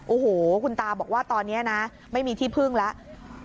โอ้โหคุณตาบอกว่าตอนนี้นะไม่มีที่พึ่งแล้ว